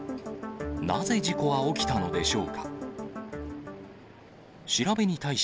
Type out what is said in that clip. なぜ事故は起きたのでしょうか。